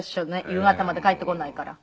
夕方まで帰ってこないから。